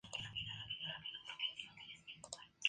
El interior de la corteza de color marrón rojizo.